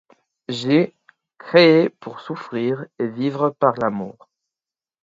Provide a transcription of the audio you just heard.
J'ai, créé pour souffrir et vivre par l'amour